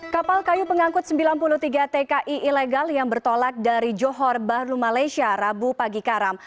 kapal kayu pengangkut sembilan puluh tiga tki ilegal yang bertolak dari johor bahru malaysia rabu pagi karam